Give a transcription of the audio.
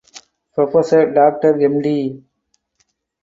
Professor Doctor Md.